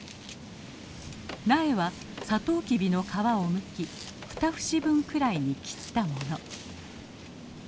苗はサトウキビの皮をむき２節分くらいに切ったもの。